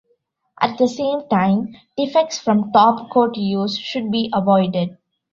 At the same time, defects from topcoat use should be avoided.